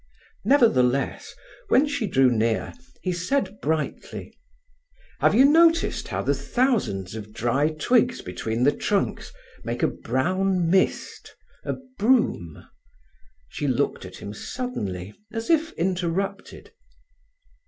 Nevertheless, when she drew near he said brightly: "Have you noticed how the thousands of dry twigs between the trunks make a brown mist, a brume?" She looked at him suddenly as if interrupted.